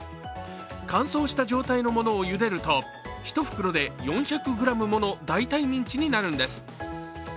乾燥した状態のものをゆでると１袋で４００ｇもの代替ミンチになるんです。